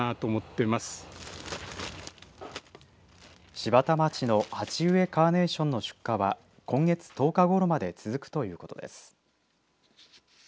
柴田町の鉢植えカーネーションの出荷は今月１０日ごろまで続くということです。